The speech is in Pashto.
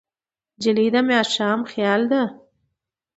نجلۍ د ماښام خیال ده.